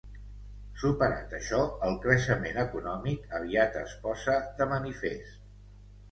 Superat això, el creixement econòmic aviat es posa de manifest.